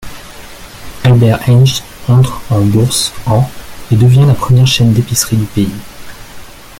Albert Heijn entre en bourse en et devient la première chaîne d'épicerie du pays.